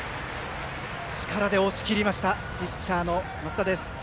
力で押し切りましたピッチャーの升田です。